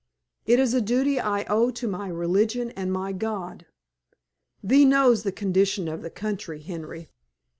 It is a duty I owe to my religion and my God. Thee knows the condition of the country, Henry.